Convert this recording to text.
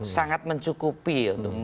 sangat mencukupi untuk